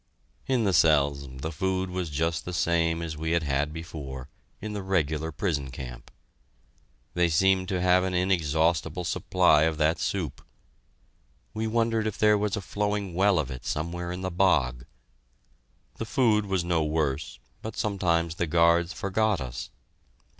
In the cells the food was just the same as we had had before, in the regular prison camp. They seemed to have an inexhaustible supply of that soup. We wondered if there was a flowing well of it somewhere in the bog. The food was no worse, but sometimes the guards forgot us.